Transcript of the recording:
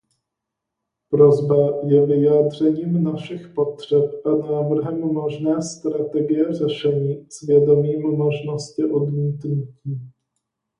Prosba je vyjádřením našich potřeb a návrhem možné strategie řešení, s vědomím možnosti odmítnutí.